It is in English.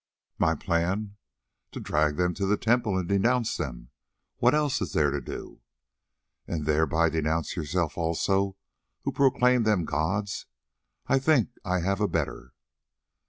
"My plan? To drag them to the temple and denounce them. What else is there to do?" "And thereby denounce yourself also, who proclaimed them gods. I think I have a better."